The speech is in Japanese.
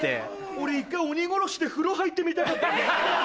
俺一回鬼ころしで風呂入ってみたかったんだ。